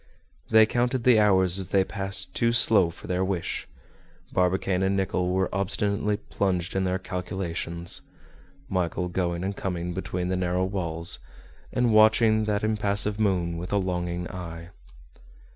They counted the hours as they passed too slow for their wish; Barbicane and Nicholl were obstinately plunged in their calculations, Michel going and coming between the narrow walls, and watching that impassive moon with a longing eye.